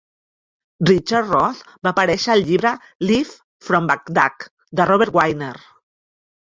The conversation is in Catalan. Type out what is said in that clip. Richard Roth va aparèixer al llibre "Live from Baghdad" de Robert Wiener.